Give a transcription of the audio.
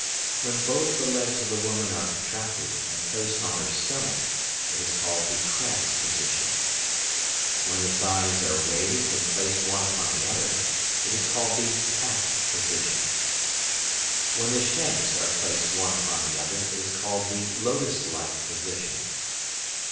When both the legs of the woman are contracted, and placed on her stomach, it is called the "crab's position." When the thighs are raised and placed one upon the other, it is called the "packed position." When the shanks are placed one upon the other, it is called the "lotus like position."